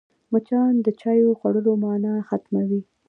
مچان د چايو خوړلو مانا ختموي